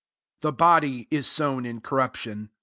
The body is sown in corrup tion